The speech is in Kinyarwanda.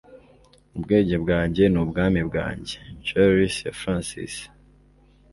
ubwenge bwanjye ni ubwami bwanjye. - quarles ya francis